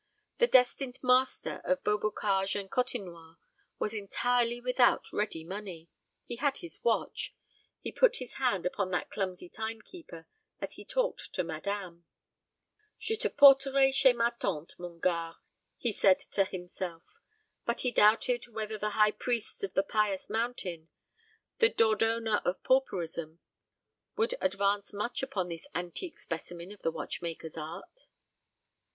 The destined master of Beaubocage and Côtenoir was entirely without ready money. He had his watch. He put his hand upon that clumsy timekeeper as he talked to madame. "Je te porterai chez ma tante, mon gars," he said to himself. But he doubted whether the high priests of the pious mountain the Dordona of Pauperism would advance much upon this antique specimen of the watchmaker's art.